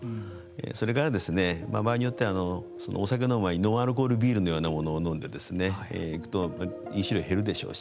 それから場合によってはお酒の前にノンアルコールビールのようなものを飲んで飲酒量が減るでしょうし。